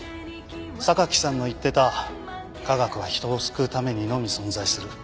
榊さんの言ってた「科学は人を救うためにのみ存在する」